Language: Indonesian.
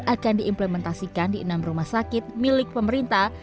akan diimplementasikan di enam rumah sakit milik pemerintah